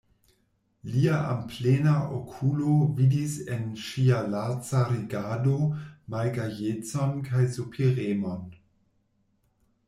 Lia amplena okulo vidis en ŝia laca rigardo malgajecon kaj sopiremon.